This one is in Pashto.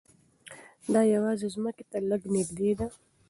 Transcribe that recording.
دا یوازې ځمکې ته لږ نږدې ده.